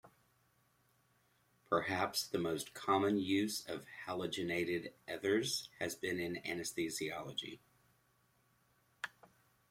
Perhaps the most common use of halogenated ethers has been in anesthesiology.